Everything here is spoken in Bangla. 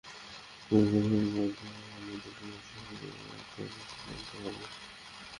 তবে প্রধান কথা হলো আমরা যেটা জানি, সেটা অন্যদের জানাতে হবে।